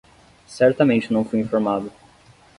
Certamente não fui informado